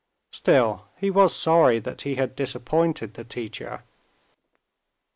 Still he was sorry that he had disappointed the teacher.